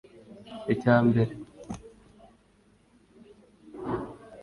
Icya mbere